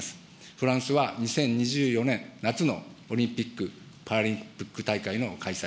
フランスは２０２４年夏のオリンピック・パラリンピック大会の開催。